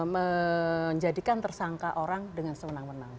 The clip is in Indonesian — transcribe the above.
menjadikan tersangka orang dengan semenang menang